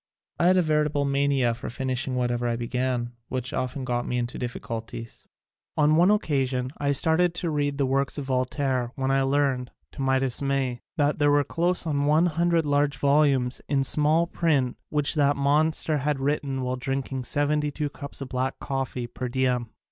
I had a veritable mania for finishing whatever I began, which often got me into difficulties. On one occasion I started to read the works of Voltaire when I learned, to my dismay, that there were close on one hundred large volumes in small print which that monster had written while drinking seventy two cups of black coffee per diem.